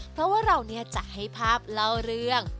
เพราะว่าเราจะให้ภาพเล่าเรื่อง